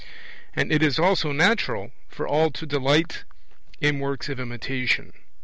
And it is also natural for all to delight in works of imitation.